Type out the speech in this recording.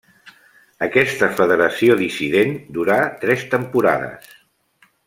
Aquesta federació dissident durà tres temporades.